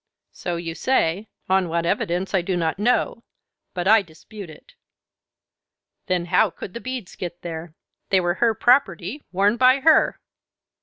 "So you say. On what evidence I do not know, but I dispute it." "Then how could the beads get there? They were her property, worn by her."